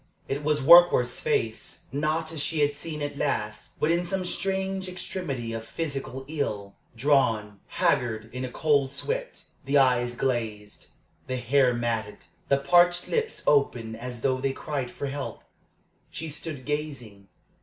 It was Warkworth's face, not as she had seen it last, but in some strange extremity of physical ill drawn, haggard, in a cold sweat the eyes glazed, the hair matted, the parched lips open as though they cried for help. She stood gazing.